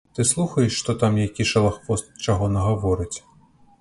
Ты слухаеш, што там які шалахвост чаго нагаворыць.